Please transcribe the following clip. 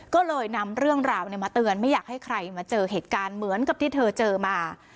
ก็เลยนำเรื่องราวมาเตือนไม่อยากให้ใครมาเจอเหตุการณ์เหมือนกับที่เธอเจอมา